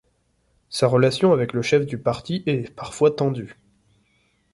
Sa relation avec le chef du parti est parfois tendue.